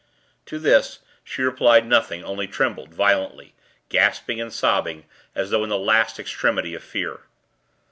To this, she replied nothing; only trembled, violently, gasping and sobbing, as though in the last extremity of fear.